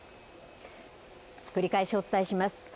繰り返しお伝えします。